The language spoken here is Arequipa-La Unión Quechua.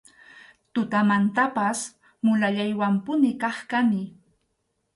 Tutamantanpas mulallaywanpuni kaq kani.